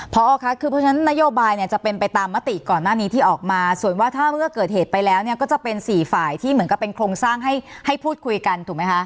เพราะฉะนั้นนโยบายจะเป็นเมื่อเกิดเหตุไปเราก็จะเป็น๔ฝ่ายที่คลองสร้างเพื่อพูดคุยกัน